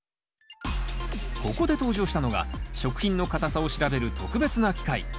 ここで登場したのが食品の硬さを調べる特別な機械。